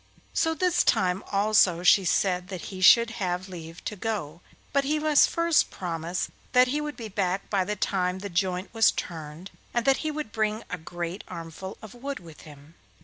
So this time also she said that he should have leave to go, but he must first promise that he would be back by the time the joint was turned and that he would bring a great armful of wood with him.